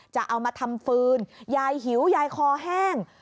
จะเอามาทำฟืนยายหิวยายคอแห้ง